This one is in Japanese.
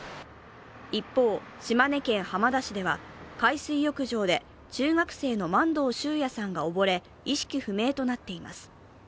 一方、島根県浜田市では海水浴場で中学生の万藤秀弥さんが溺れ意識不明となっています。